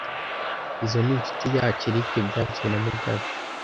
Izoi ni inshuti yacu Eric byavuzwe na mugabe